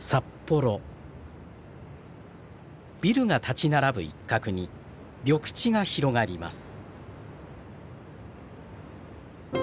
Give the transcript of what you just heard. ビルが立ち並ぶ一角に緑地が広がります。